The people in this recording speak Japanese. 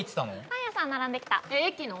パン屋さん並んできたえっ駅の？